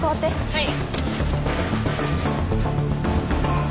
はい。